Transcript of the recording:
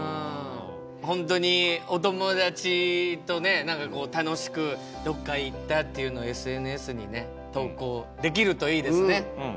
本当にお友達とね何かこう楽しくどっか行ったっていうのをＳＮＳにね投稿できるといいですね。